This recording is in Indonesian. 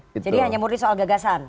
jadi hanya murid soal gagasan